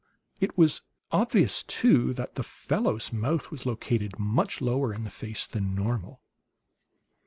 It was obvious, too, that the fellow's mouth was located much lower in the face than normal.